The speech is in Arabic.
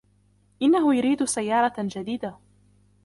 انه يريد سيارة جديدة.